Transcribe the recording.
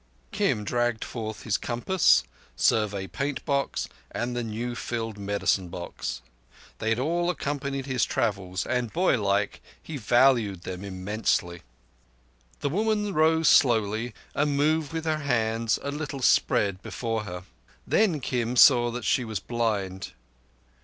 Kim dragged forth his compass, Survey paint box, and the new filled medicine box. They had all accompanied his travels, and boylike he valued them immensely. The woman rose slowly and moved with her hands a little spread before her. Then Kim saw that she was blind.